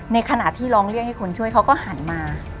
ในขณะที่ร้องเรียกให้คนช่วยเขาก็หันมา